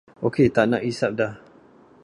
Okey taknak hisap dah.